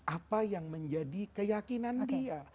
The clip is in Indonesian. apa yang menjadi keyakinan dia